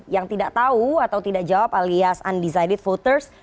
yang tidak tahu atau tidak jawab alias undecided voters